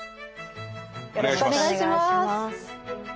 よろしくお願いします。